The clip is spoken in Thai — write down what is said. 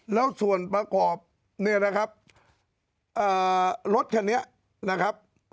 แล้วส่วนประกอบเนี่ยนะครับรถคันนี้นะครับ